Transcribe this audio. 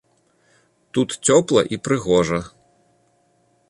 Тут цёпла і прыгожа.